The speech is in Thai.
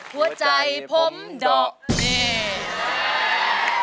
หัวใจผมดอก